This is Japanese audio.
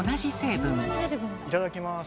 いただきます。